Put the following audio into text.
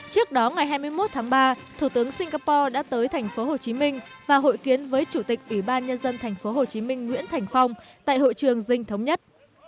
trước đó ngày hai mươi một tháng ba thủ tướng singapore đã tới tp hcm và hội kiến với chủ tịch ủy ban nhân dân tp hcm nguyễn thành phong tại hội trường dinh thống nhất